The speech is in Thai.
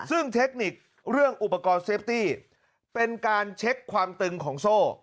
ซึ่งเทคนิคเรื่องอุปกรณ์เซฟตี้เป็นการเช็คความตึงของโซ่